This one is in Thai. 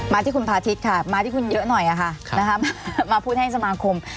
ที่คุณพาทิศค่ะมาที่คุณเยอะหน่อยค่ะมาพูดให้สมาคม